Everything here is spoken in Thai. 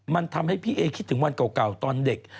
มันทำให้พี่เอคิดถึงวันเก่าตอนเด็ก